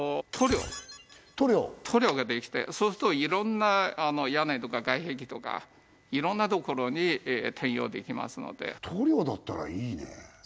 塗料塗料ができてそうするといろんな屋根とか外壁とかいろんな所に転用できますので塗料だったらいいね